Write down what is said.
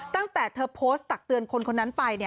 ตั้งแต่เธอโพสต์ตักเตือนคนคนนั้นไป